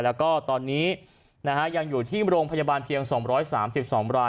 แล้วก็ตอนนี้ยังอยู่ที่โรงพยาบาลเพียง๒๓๒ราย